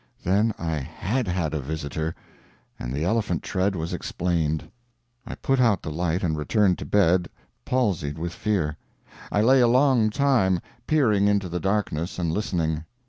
Then I had had a visitor, and the elephant tread was explained. I put out the light and returned to bed, palsied with fear. I lay a long time, peering into the darkness, and listening.